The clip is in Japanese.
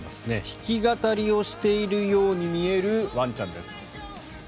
弾き語りをしているように見えるワンちゃんです。